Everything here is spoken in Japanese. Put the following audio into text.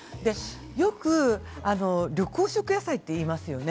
よく緑黄色野菜といいますよね。